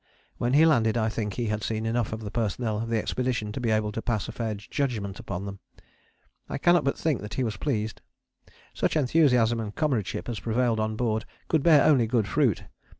When he landed I think he had seen enough of the personnel of the expedition to be able to pass a fair judgment upon them. I cannot but think that he was pleased. Such enthusiasm and comradeship as prevailed on board could bear only good fruit.